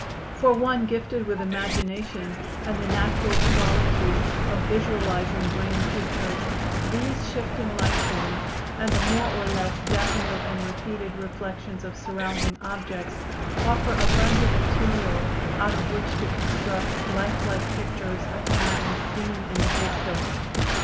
For one gifted with imagination and the natural quality of visualizing brain pictures, these shifting light points and the more or less definite and repeated reflections of surrounding objects offer abundant material out of which to construct lifelike pictures apparently seen in the crystal.